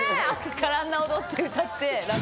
朝からあんな踊って、歌って。